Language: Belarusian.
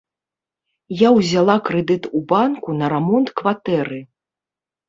Я ўзяла крэдыт у банку на рамонт кватэры.